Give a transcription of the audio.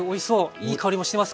いい香りもしてます